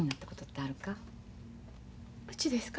うちですか？